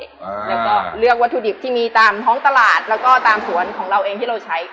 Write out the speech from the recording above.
แล้วก็เลือกวัตถุดิบที่มีตามท้องตลาดแล้วก็ตามสวนของเราเองที่เราใช้